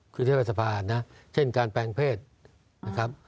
คือเทศบาลนะเช่นการแปลงเพศนะครับ